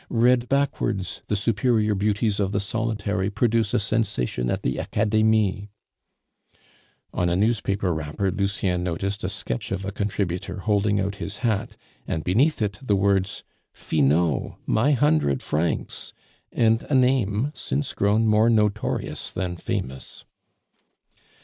Read backwards, the superior beauties of the Solitary produce a sensation at the Academie." On a newspaper wrapper Lucien noticed a sketch of a contributor holding out his hat, and beneath it the words, "Finot! my hundred francs," and a name, since grown more notorious than famous.